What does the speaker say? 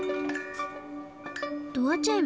ドアチャイム？